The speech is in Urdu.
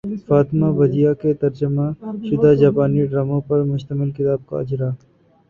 فاطمہ بجیا کے ترجمہ شدہ جاپانی ڈراموں پر مشتمل کتاب کا اجراء